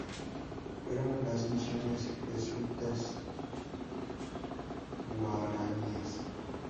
Fueron las misiones jesuíticas guaraníes.